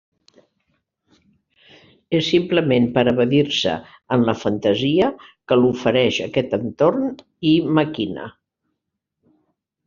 És simplement per evadir-se en la fantasia que l'ofereix aquest entorn i maquina.